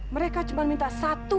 mereka cuma minta satu